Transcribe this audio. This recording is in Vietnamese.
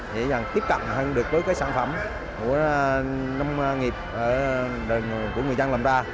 để tiếp cận hơn được với cái sản phẩm của nông nghiệp của người dân làm ra